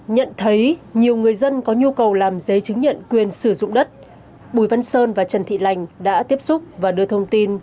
nhận thấy nhiều người dân có nhu cầu làm giấy chứng nhận quyền sử dụng đất bùi văn sơn và trần thị lành đã tiếp xúc và đưa thông tin